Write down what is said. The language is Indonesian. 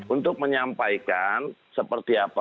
untuk menyampaikan seperti apa